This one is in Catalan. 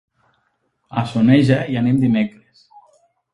A Soneja hi anem dimecres.